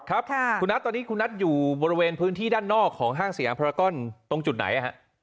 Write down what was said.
ครับคุณนัทตอนนี้คุณนัทอยู่บริเวณพื้นที่ด้านนอกของห้างสยามพรากอนตรงจุดไหนฮะ